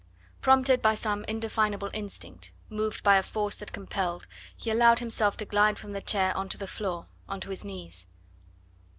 Prompted by some indefinable instinct, moved by a force that compelled, he allowed himself to glide from the chair on to the floor, on to his knees.